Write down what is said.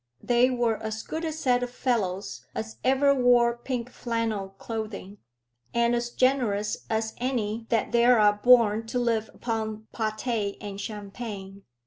They were as good a set of fellows as ever wore pink flannel clothing, and as generous as any that there are born to live upon pâté and champagne.